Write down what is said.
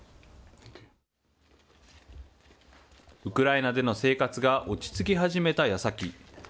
ウクライナでの生活が落ち着き始めたやさき。